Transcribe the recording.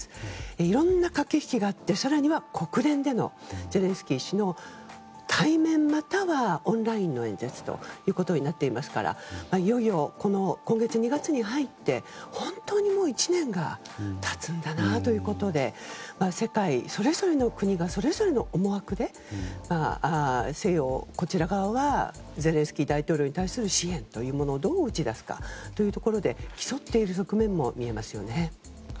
いろんな駆け引きがあって更には国連でのゼレンスキー氏の対面、またはオンラインの演説となっていますからいよいよ、今月２月に入って本当に１年が経つんだなということで世界それぞれの国がそれぞれの思惑で西欧側はゼレンスキー大統領に対する支援というものをどう打ち出すかというところで競っている側面も見えますよね。